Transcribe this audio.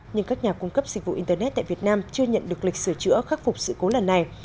nhưng các nhà cung cấp dịch vụ internet tại việt nam chưa nhận được lịch sửa chữa khắc phục sự cố lần này